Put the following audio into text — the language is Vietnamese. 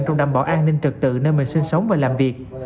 trong đảm bảo an ninh trật tự nơi mình sinh sống và làm việc